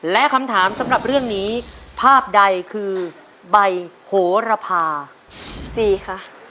และคำถามสำหรับเรื่องนี้ภาพใดคือใบโหระพาสี่ค่ะ